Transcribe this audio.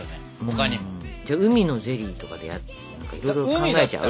じゃあ海のゼリーとかでいろいろ考えちゃう？